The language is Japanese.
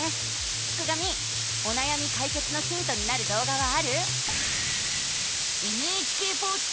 すくがミおなやみかいけつのヒントになるどう画はある？